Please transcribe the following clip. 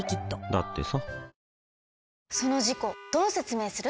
だってさ